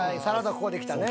ここできたね。